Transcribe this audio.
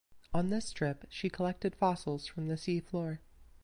On this trip she collected fossils from the sea floor.